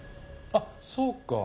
あっそうか。